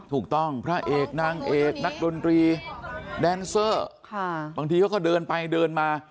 พระเอกนางเอกนักดนตรีแดนเซอร์บางทีเขาก็เดินไปเดินมา